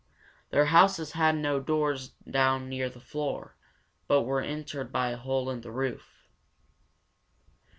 Their houses had no doors down near the floor, but were entered by a hole in the roof.